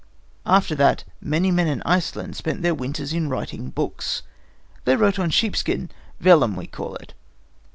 After that many men in Iceland spent their winters in writing books. They wrote on sheepskin; vellum, we call it.